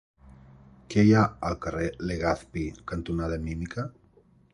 Què hi ha al carrer Legazpi cantonada Mímica?